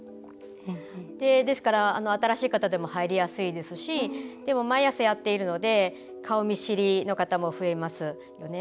ですから、新しい方でも入りやすいですし毎朝やっているので顔見知りの方も増えますよね。